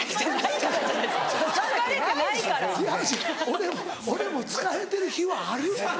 俺も疲れてる日はある。